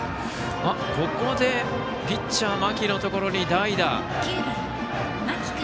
ここで、ピッチャー間木のところに代打。